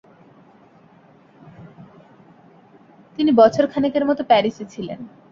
তিনি বছরখানেকের মত প্যারিসে ছিলেন।